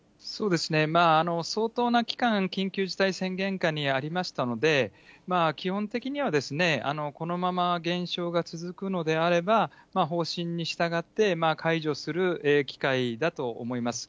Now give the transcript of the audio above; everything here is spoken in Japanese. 相当な期間、緊急事態宣言下にありましたので、基本的には、このまま減少が続くのであれば、方針に従って解除する機会だと思います。